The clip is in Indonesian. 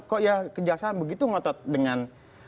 kok ya kejaksaan begitu ngotot dengan